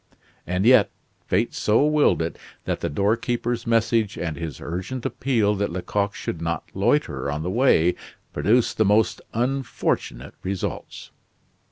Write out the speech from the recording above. And yet, fate so willed it that the doorkeeper's message and his urgent appeal that Lecoq should not loiter on the way, produced the most unfortunate results.